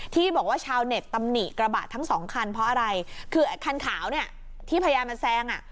ที่บอกว่าชาวเน็ตตำหนิกระบะทั้งสองคันเพราะอะไรคือคันขาวเนี่ยที่พยายามจะแซงอ่ะ